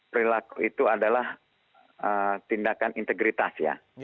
perilaku itu adalah tindakan integritas ya